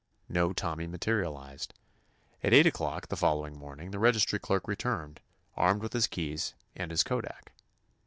No Tommy materialized. At eight o'clock the following morning the registry clerk returned, armed with his keys and his kodak.